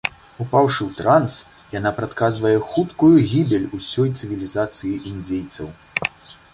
Упаўшы ў транс, яна прадказвае хуткую гібель усёй цывілізацыі індзейцаў.